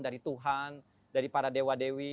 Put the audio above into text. dari tuhan dari para dewa dewi